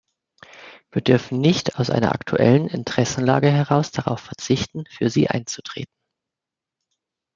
Wir dürfen nicht aus einer aktuellen Interessenlage heraus darauf verzichten, für sie einzutreten.